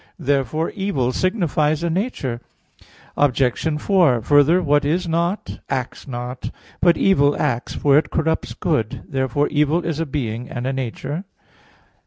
Therefore evil signifies a nature. Obj. 4: Further, what is not, acts not. But evil acts, for it corrupts good. Therefore evil is a being and a nature.